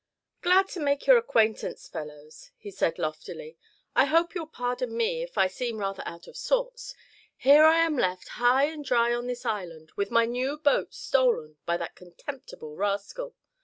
"Glad to make your acquaintance, fellows," he said, loftily. "I hope you'll pardon me if I seem rather out of sorts. Here I am left, high and dry on this island, with my new boat stolen by that contemptible rascal.